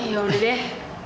ya udah deh